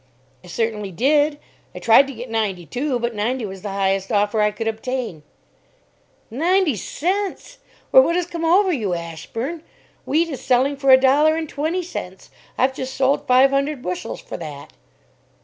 "I certainly did. I tried to get ninety two, but ninety was the highest offer I could obtain." "Ninety cents! Why, what has come over you, Ashburn. Wheat is selling for a dollar and twenty cents. I've just sold five hundred bushels for that."